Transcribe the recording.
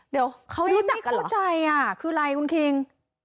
เดี๋ยวเขารู้จักเข้าใจคืออะไรคุณคิง